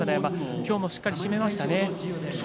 今日もしっかり締めましたね。